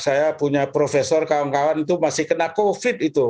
saya punya profesor kawan kawan itu masih kena covid itu